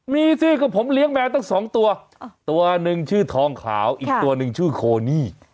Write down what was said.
มีสิก็ผมเลี้ยงแมวตั้งสองตัวตัวหนึ่งชื่อทองขาวอีกตัวหนึ่งชื่อโคนี่